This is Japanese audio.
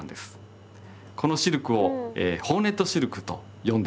このシルクをホーネットシルクと呼んでいます。